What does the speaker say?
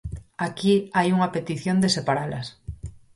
Aquí hai unha petición de separalas.